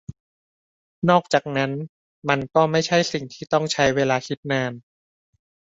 นอกจากนั้น มันก็ไม่ใช่สิ่งที่ต้องใช้เวลาคิดนาน